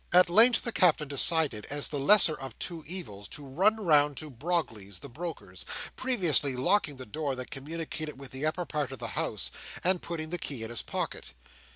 At length the Captain decided, as the lesser of two evils, to run round to Brogley's the Broker's: previously locking the door that communicated with the upper part of the house, and putting the key in his pocket.